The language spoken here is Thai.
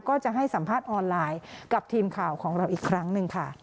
ก็จะให้สัมภาษณ์ออนไลน์กับทีมข่าวของเราอีกครั้งหนึ่งค่ะ